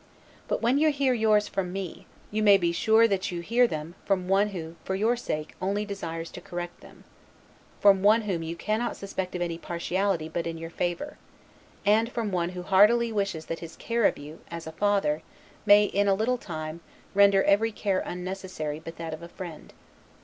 But when you hear yours from me, you may be sure that you hear them from one who for your sake only desires to correct them; from one whom you cannot suspect of any, partiality but in your favor; and from one who heartily wishes that his care of you, as a father, may, in a little time, render every care unnecessary but that of a friend.